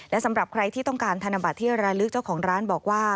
และสำหรับใครที่ต้องการธนบัตรที่ระลึกเจ้าของร้านบอกว่า